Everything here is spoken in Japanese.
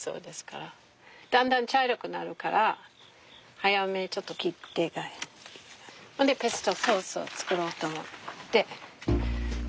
だんだん茶色くなるから早めにちょっと切ってそんでペストソースを作ろうと思って。